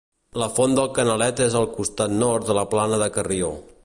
La Font del Canalet és al costat nord de la Plana de Carrió.